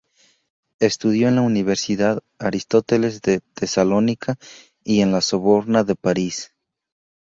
Estudió en la universidad Aristóteles de Tesalónica y en la Sorbona de París.